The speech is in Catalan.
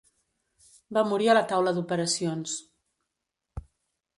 Va morir a la taula d'operacions.